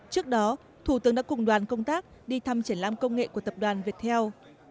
trước đó thủ tướng đã cùng đoàn công tác đi thăm triển lãm công nghệ của tập đoàn việt heo